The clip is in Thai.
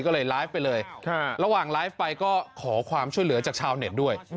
ก็เลยไลฟ์ไปเลยระหว่างไลฟ์ไปก็ขอความช่วยเหลือจากชาวเน็ตด้วย